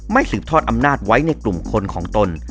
สืบทอดอำนาจไว้ในกลุ่มคนของตน